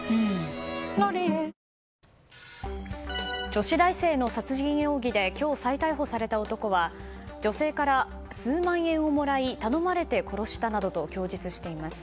女子大生の殺人容疑で今日、再逮捕された男は女性から数万円をもらい頼まれて殺したなどと供述しています。